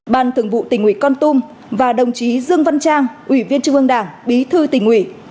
ban thường vụ tỉnh ủy con tum và đồng chí dương văn trang ủy viên trung ương đảng bí thư tỉnh ủy